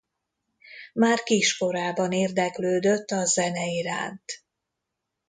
Már kiskorában érdeklődött a zene iránt.